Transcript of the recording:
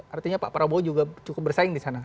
artinya pak prabowo juga cukup bersaing di sana